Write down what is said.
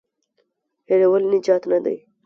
هېرول نجات نه دی.